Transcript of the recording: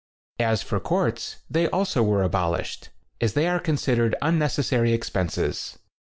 As for courts, they also were abolished, as they are con sidered unnecessary expenses.